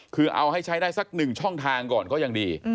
คือเอาให้ใช้ได้สักหนึ่งช่องทางก่อนก็ยังดี